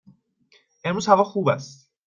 امروز هوا خوب است.